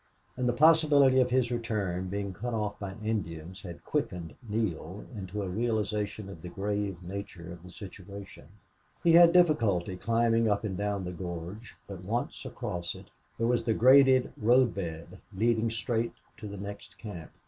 And the possibility of his return being cut off by Indians had quickened Neale into a realization of the grave nature of the situation. He had difficulty climbing down and up the gorge, but, once across it, there was the graded road bed, leading straight to the next camp.